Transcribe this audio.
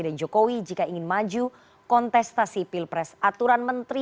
dan keuntungan menteri